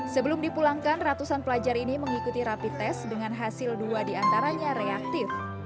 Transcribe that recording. sebelum dipulangkan ratusan pelajar ini mengikuti rapi tes dengan hasil dua diantaranya reaktif